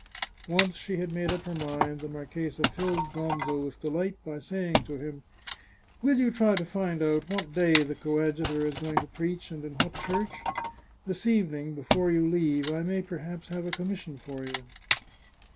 Once she had made up her mind, the marchesa filled Gonzo with delight by saying to him :" Will you try to find out what day the coadjutor is going to preach, and in what church? This evening, before you leave, I may perhaps have a commission for you."